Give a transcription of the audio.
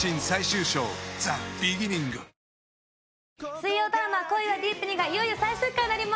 水曜ドラマ『恋はＤｅｅｐに』がいよいよ最終回になります！